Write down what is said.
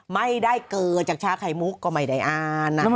ไม่ได้เกิดจากชาไข่มุกก็ไม่ได้อ่าน